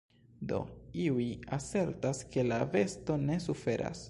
Do iuj asertas, ke la besto ne suferas.